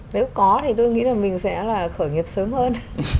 nếu có thì tôi nghĩ là mình sẽ là khởi nghiệp sớm hơn